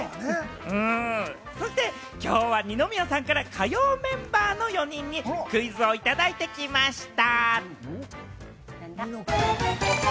そして、きょうは二宮さんから火曜メンバーの４人にクイズをいただいてきました。